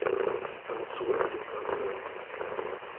Da musst du unbedingt dranbleiben!